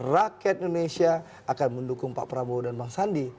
rakyat indonesia akan mendukung pak prabowo dan bang sandi